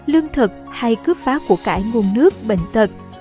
lương thực hay cướp phá của cải nguồn nước bệnh tật